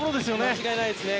間違いないですね。